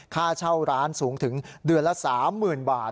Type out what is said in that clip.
ค่าเช่าร้านสูงถึงเดือนละ๓๐๐๐บาท